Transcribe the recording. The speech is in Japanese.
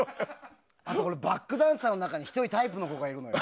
バックダンサーの中に１人タイプの子がいるのよ。